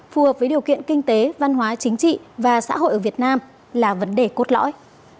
phù hợp với điều kiện kinh tế văn hóa chính trị và xã hội ở việt nam là vấn đề cốt lõi